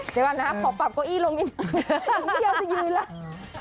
เดี๋ยวก่อนนะครับขอปรับโกอี้ลงนิดหนึ่งยังไม่ยอมจะยืนแล้ว